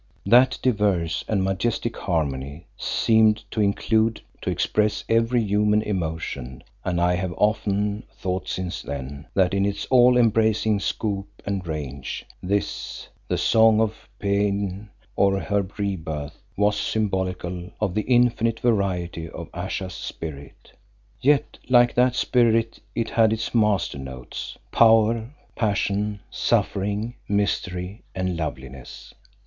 That diverse and majestic harmony seemed to include, to express every human emotion, and I have often thought since then that in its all embracing scope and range, this, the song or paean of her re birth was symbolical of the infinite variety of Ayesha's spirit. Yet like that spirit it had its master notes; power, passion, suffering, mystery and loveliness.